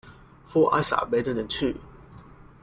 Four eyes are better than two.